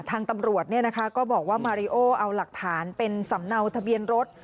ทางตำรวจก็บอกว่ามาริโอเอาหลักฐานเป็นสำเนาทะเบียนรถ